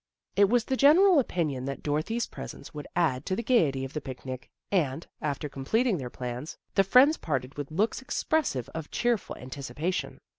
It was the general opinion that Dorothy's presence would add to the gaiety of the picnic, and, after completing their plans, the friends parted with looks expressive of cheerful antici pation.